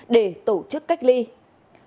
để tổ chức các bộ phòng chống dịch covid một mươi chín